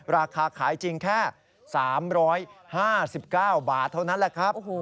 ราคาขายจริงแค่๓๕๙บาทเท่านั้นแหละครับ